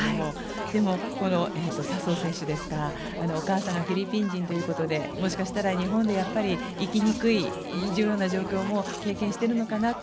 でも笹生選手、お母さんがフィリピン人ということでもしかしたら日本で生きにくい状況も経験しているのかなと。